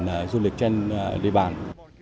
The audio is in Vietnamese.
về du lịch trên đề bàn